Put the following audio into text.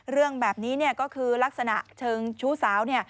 เรื่องแบบนี้ก็คือลักษณะเชิงชู้สาว